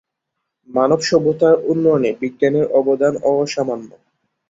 মানবসভ্যতার উন্নয়নে বিজ্ঞানের অবদান অসামান্য।